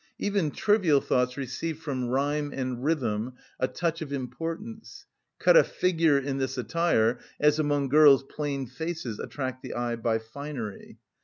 Even trivial thoughts receive from rhythm and rhyme a touch of importance; cut a figure in this attire, as among girls plain faces attract the eye by finery.